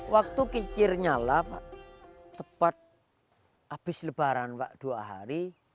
waktu kincir nyala pak tepat habis lebaran pak dua hari